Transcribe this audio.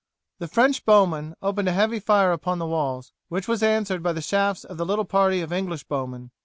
The French bowmen opened a heavy fire upon the walls, which was answered by the shafts of the little party of English bowmen.